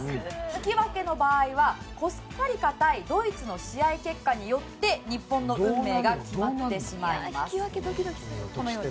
引き分けの場合は、コスタリカ対ドイツの試合結果によって日本の運命が決まってしまいます。